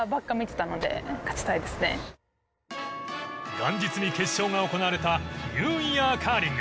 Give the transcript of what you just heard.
元日に決勝が行われたニューイヤーカーリング。